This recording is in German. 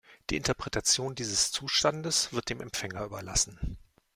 Die Interpretation dieses Zustandes wird dem Empfänger überlassen.